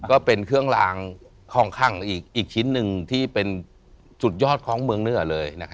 ก็เป็นเครื่องลางของข้างอีกชิ้นหนึ่งที่เป็นสุดยอดของเมืองเหนือเลย